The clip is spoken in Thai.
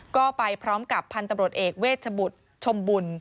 ก็ไปพร้อมกับพันธุ์ตำรวจเอกเวชบุตรชมบุญ